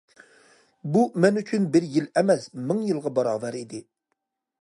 بۇ مەن ئۈچۈن بىر يىل ئەمەس، مىڭ يىلغا باراۋەر ئىدى.